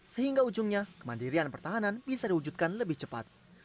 sehingga ujungnya kemandirian pertahanan bisa diwujudkan lebih cepat